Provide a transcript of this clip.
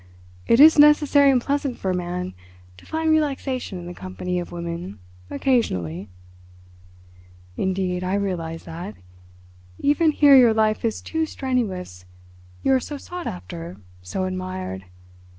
It is necessary and pleasant for a man to find relaxation in the company of women occasionally." "Indeed I realise that. Even here your life is too strenuous—you are so sought after—so admired.